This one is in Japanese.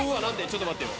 ちょっと待ってよ。